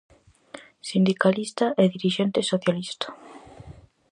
Sindicalista e dirixente socialista.